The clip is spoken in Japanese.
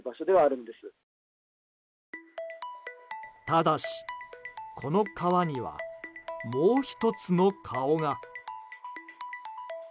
ただし、この川にはもう１つの顔が。